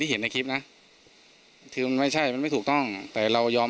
เห็นในคลิปนะคือมันไม่ใช่มันไม่ถูกต้องแต่เรายอม